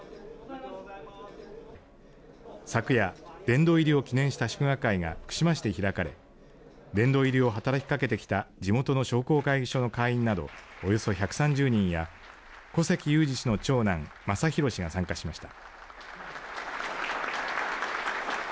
昨夜、殿堂入りを記念した祝賀会が福島市で開かれ殿堂入りを働きかけてきた地元の商工会議所の会員などおよそ１３０人や古関裕而氏の長男正裕氏が参加しました。